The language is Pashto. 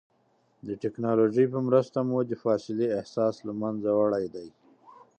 د ټکنالوجۍ په مرسته مو د فاصلې احساس له منځه وړی دی.